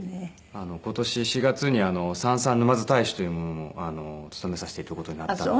今年４月に燦々ぬまづ大使というものも務めさせて頂く事になったので。